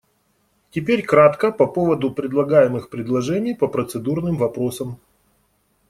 Теперь кратко по поводу предлагаемых предложений по процедурным вопросам.